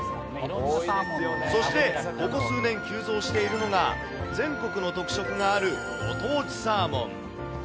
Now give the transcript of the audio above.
そして、ここ数年急増しているのが、全国の特色があるご当地サーモン。